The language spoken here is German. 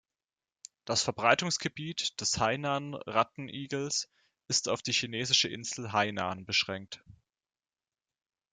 Das Verbreitungsgebiet des Hainan-Rattenigels ist auf die chinesische Insel Hainan beschränkt.